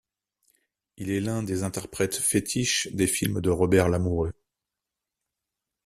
Il est l'un des interprètes fétiches des films de Robert Lamoureux.